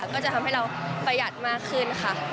ก็จะทำให้เราประหยัดมากขึ้นค่ะ